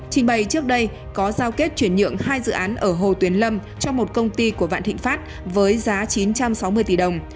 trình bày trước đây có giao kết chuyển nhượng hai dự án ở hồ tuyến lâm cho một công ty của vạn thịnh pháp với giá chín trăm sáu mươi tỷ đồng